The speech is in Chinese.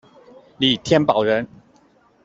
李添保人。